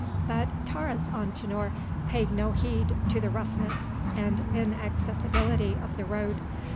But Taurus Antinor paid no heed to the roughness and inaccessibility of the road.